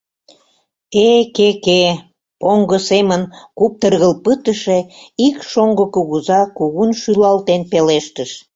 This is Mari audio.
— Эк-ке-ке, — поҥго семын куптыргыл пытыше ик шоҥго кугыза кугун шӱлалтен пелештыш.